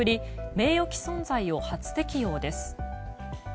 名誉毀損罪を初適用です。